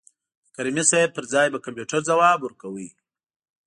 د کریمي صیب پر ځای به کمپیوټر ځواب ورکاوه.